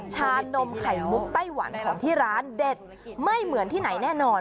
ชานมไข่มุกไต้หวันของที่ร้านเด็ดไม่เหมือนที่ไหนแน่นอน